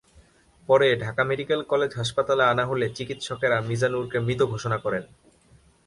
পরে Dhaka medical college হাসপাতালে আনা হলে চিকিৎসকেরা মিজানুরকে মৃত ঘোষণা করেন।